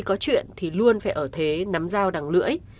có chuyện thì luôn phải ở thế nắm dao đằng lưỡi